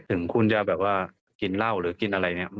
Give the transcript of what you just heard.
ถึงคุณจะแบบว่ากินเหล้าหรือกินอะไรเนี่ย